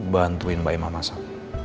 bantuin mbak emma masak